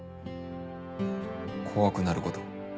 怖くなること。